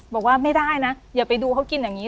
บอกว่าไม่ได้นะอย่าไปดูเขากินอย่างนี้